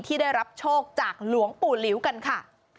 ที่ได้รับโชคจากหลวงปู่หลิวกันค่ะ